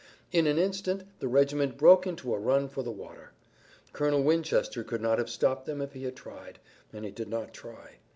In an instant the regiment broke into a run for the water. Colonel Winchester could not have stopped them if he had tried, and he did not try.